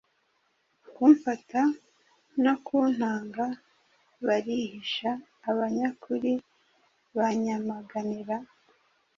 kumfata no kuntanga barihisha. Abanyakuri banyamaganira